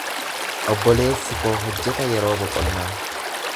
Obboleessi koo hojjeta yeroo boqonnaa.